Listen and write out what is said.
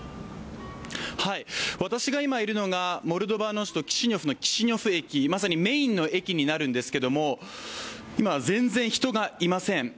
私が今いるのがモルドバの首都キシニョフの駅まさにメインの駅になるんですが、今は全然人がいません。